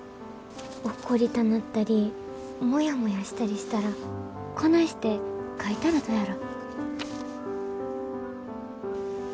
怒りたなったりモヤモヤしたりしたらこないして書いたらどやろ？